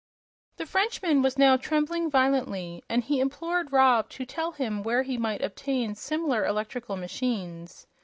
The Frenchman was now trembling violently, and he implored Rob to tell him where he might obtain similar electrical machines.